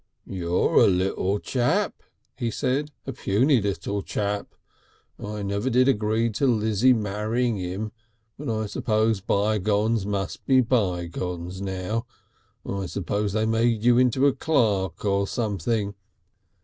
"You're a little chap," he said, "a puny little chap. I never did agree to Lizzie marrying him, but I suppose by gones must be bygones now. I suppose they made you a clerk or something."